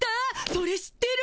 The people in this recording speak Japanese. それ知ってる！